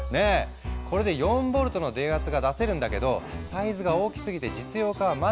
これで４ボルトの電圧が出せるんだけどサイズが大きすぎて実用化はまだまだだったそう。